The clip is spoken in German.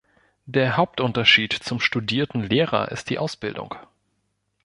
Der Hauptunterschied zum „studierten“ Lehrer ist die Ausbildung.